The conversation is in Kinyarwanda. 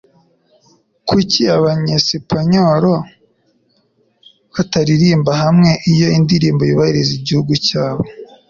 Kuki Abanyesipanyoli bataririmbira hamwe iyo indirimbo yubahiriza igihugu cyabo